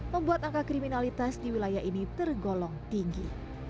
membuat angka kriminalitas di wilayah ini tergolong tinggi